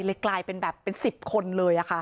เลยกลายเป็นแบบเป็นสิบคนเลยอะค่ะ